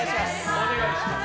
お願いします。